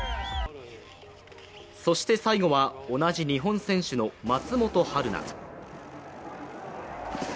そして最後は、同じ日本選手の松本遥奈。